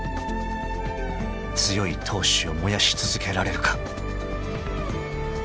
［強い闘志を燃やし続けられるか］